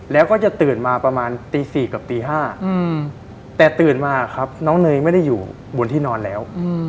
แล้วก็จะตื่นมาประมาณตี๔กับตี๕แต่ตื่นมาครับน้องเนยไม่ได้อยู่บนที่นอนแล้ว